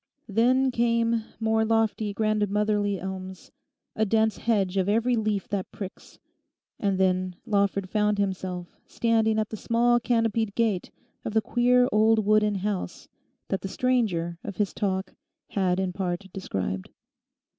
Then came more lofty grandmotherly elms, a dense hedge of every leaf that pricks, and then Lawford found himself standing at the small canopied gate of the queer old wooden house that the stranger of his talk had in part described.